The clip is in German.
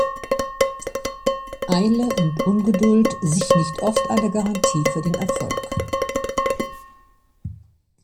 Eile und Ungeduld sich nicht oft eine Garantie für den Erfolg.